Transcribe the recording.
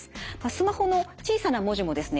スマホの小さな文字もですね